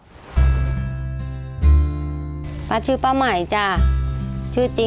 ขอเพียงคุณสามารถที่จะเอ่ยเอื้อนนะครับ